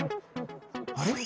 あれ？